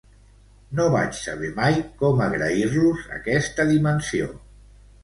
No vaig saber mai com agrair-los aquesta dimensió.